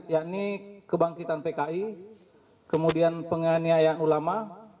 yakni kebangkitan pki kemudian penganiayaan ulama